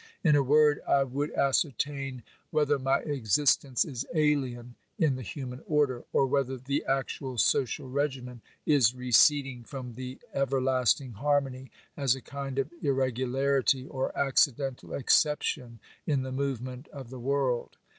In a word, I would ascertain whether my existence is alien in the human order, or whether the actual social regimen is receding from the everlasting harmony, as a kind of irregularity or accidental exception in the movement of the world.